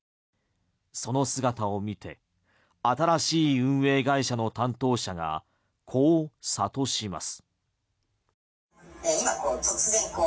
その姿を見て新しい運営会社の担当者がこう諭します。